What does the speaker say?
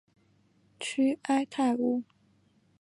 屈埃泰乌。